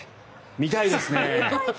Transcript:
見たいですね。